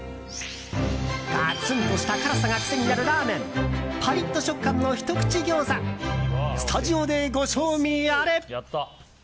ガツンとした辛さが癖になるラーメンパリッと食感のひとくち餃子スタジオでご賞味あれ。